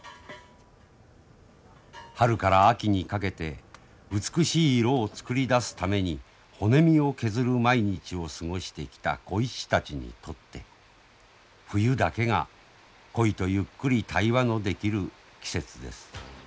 春から秋にかけて美しい色を作り出すために骨身を削る毎日を過ごしてきた鯉師たちにとって冬だけが鯉とゆっくり対話のできる季節です。